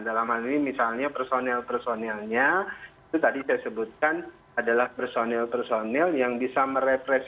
dalam hal ini misalnya personil personilnya itu tadi saya sebutkan adalah personil personil yang bisa merepresentasi